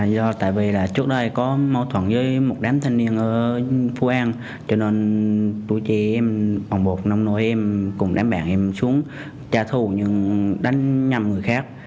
do tại vì là trước đây có mâu thuẫn với một đám thanh niên ở phú an cho nên tôi chỉ em bằng bột nông nội em cùng đám bạn em xuống trả thù nhưng đánh nhầm người khác